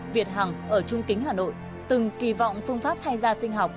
việt hằng ở trung kính hà nội từng kỳ vọng phương pháp thay da sinh học